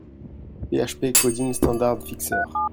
PHP Coding Standard Fixer